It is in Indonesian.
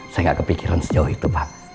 saya nggak kepikiran sejauh itu pak